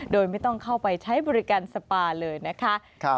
โดยไม่ต้องเข้าไปใช้บริการสปาเลยนะคะ